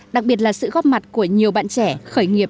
đặc biệt là sự góp mặt của nhiều bạn trẻ khởi nghiệp